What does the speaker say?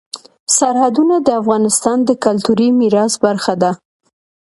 سرحدونه د افغانستان د کلتوري میراث برخه ده.